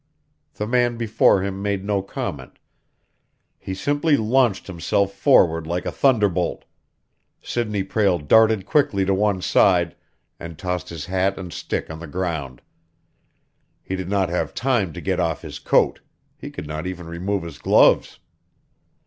The man before him made no comment he simply launched himself forward like a thunderbolt. Sidney Prale darted quickly to one side, and tossed his hat and stick on the ground. He did not have time to get off his coat; he could not even remove his gloves.